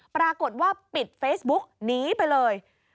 ปรากฏว่าปิดเฟซบุ๊กหนีไปเลย